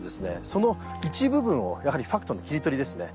その一部分をやはりファクトの切り取りですね